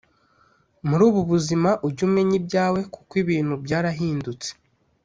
Murubu buzima ujye umenya ibyawe kuko ibintu byarahindutse